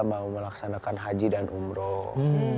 mau melaksanakan haji dan umroh